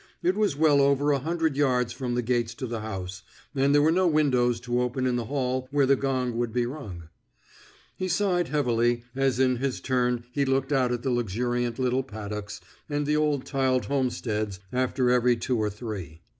It was well over a hundred yards from the gates to the house, and there were no windows to open in the hall where the gong would be rung. He sighed heavily as in his turn he looked out at the luxuriant little paddocks and the old tiled homesteads after every two or three.